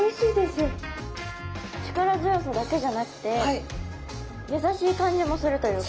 力強さだけじゃなくて優しい感じもするというか。